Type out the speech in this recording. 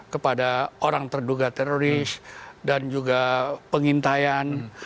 kepada orang terduga teroris dan juga pengintaian